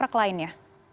atau kontrak lainnya